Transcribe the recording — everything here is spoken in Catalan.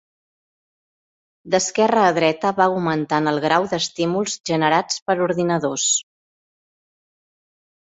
D'esquerra a dreta va augmentant el grau d'estímuls generats per ordinadors.